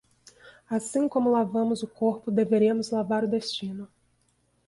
Assim como lavamos o corpo deveríamos lavar o destino